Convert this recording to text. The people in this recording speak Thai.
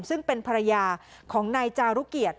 ซึ่งเป็นภรรยาของนายจารุเกียรติ